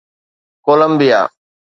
Colombia